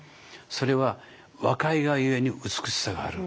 それは若いがゆえに美しさがある。